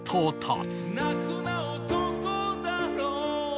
「泣くな男だろう」